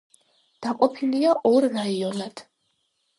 დაყოფილია ორ რაიონად.